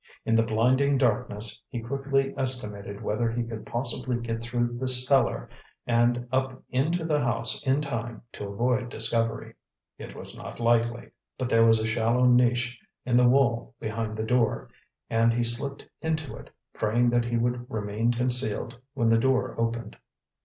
In the blinding darkness, he quickly estimated whether he could possibly get through the cellar and up into the house in time to avoid discovery. It was not likely. But there was a shallow niche in the wall behind the door, and he slipped into it, praying that he would remain concealed when the door opened.